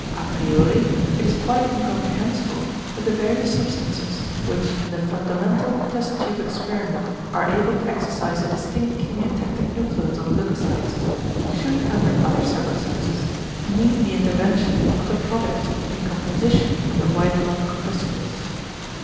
À priori it is quite incomprehensible that the various substances, which in the fundamental test tube experiment are able to exercise a distinct chemiotactic influence on the leucocytes, should under other circumstances need the intervention of the products of decomposition of the white blood corpuscles.